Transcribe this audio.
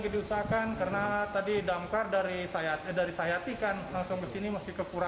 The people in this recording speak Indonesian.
di sini nggak ada yang kerja